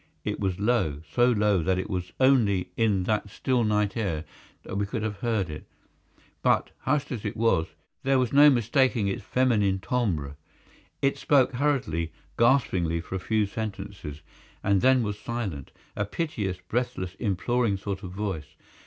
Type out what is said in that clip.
It was low—so low that it was only in that still night air that we could have heard it, but, hushed as it was, there was no mistaking its feminine timbre. It spoke hurriedly, gaspingly for a few sentences, and then was silent—a piteous, breathless, imploring sort of voice.